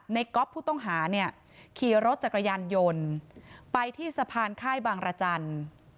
ก๊อฟผู้ต้องหาเนี่ยขี่รถจักรยานยนต์ไปที่สะพานค่ายบางรจันทร์